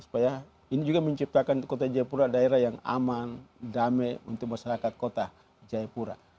supaya ini juga menciptakan kota jayapura daerah yang aman damai untuk masyarakat kota jayapura